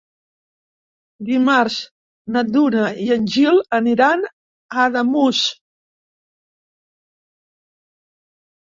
Dimarts na Duna i en Gil aniran a Ademús.